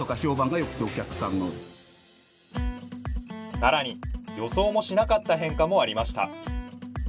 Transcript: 更に予想もしなかった変化もありました。